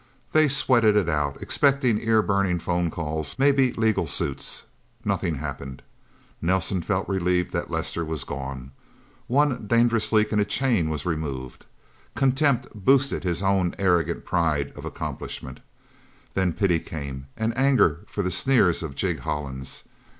They sweated it out, expecting ear burning phone calls, maybe legal suits. Nothing happened. Nelsen felt relieved that Lester was gone. One dangerous link in a chain was removed. Contempt boosted his own arrogant pride of accomplishment. Then pity came, and anger for the sneers of Jig Hollins.